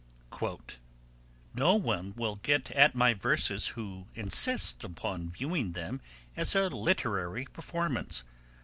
'No one will get at my verses who insists upon viewing them as a literary performance